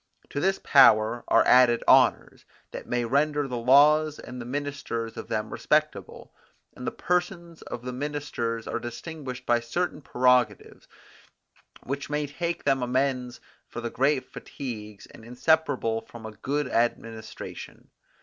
To this power are added honours, that may render the laws and the ministers of them respectable; and the persons of the ministers are distinguished by certain prerogatives, which may make them amends for the great fatigues inseparable from a good administration.